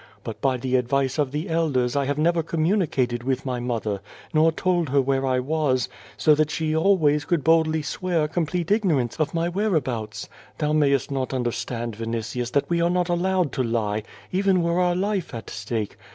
But by the advice of the elders I have never communicated with my mother, nor told her where I was, so that she always could boldly swear complete ignorance of my whereabouts. Thou mayst not understand, Vinitius, that we are not allowed to lie, even were our life at stake.